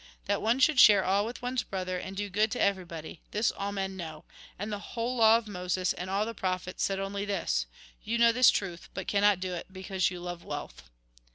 "" That one should share all with one's brother, and do good to everybody ; this all men know. And the whole law of Moses, and all the prophets, said only this :' You know this truth, but cannot do it, because you love wealth.'